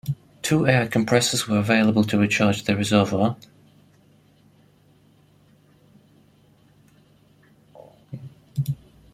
Two air compressors were available to recharge the reservoir.